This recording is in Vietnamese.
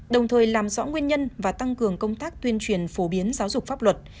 đồng thời làm rõ nguyên nhân và tăng cường công tác tuyên truyền phổ biến giáo dục pháp luật